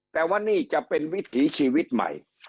แต่ว่านี่จะเป็นวิถีชีวิตใหม่